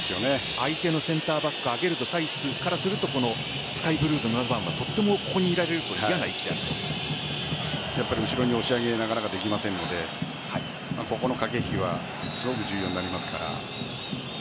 相手のセンターバックからするとスカイブルーの７番はとてもここにいられると押し上げができませんのでここの駆け引きはすごく重要になりますから。